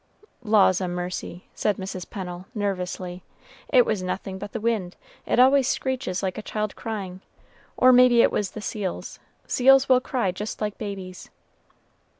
"Laws a mercy," said Mrs. Pennel, nervously, "it was nothing but the wind, it always screeches like a child crying; or maybe it was the seals; seals will cry just like babes."